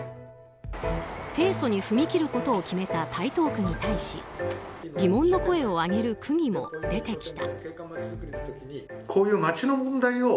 提訴に踏み切ることを決めた台東区に対し疑問の声を上げる区議も出てきた。